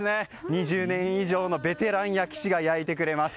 ２０年以上のベテラン焼き師が焼いてくれます。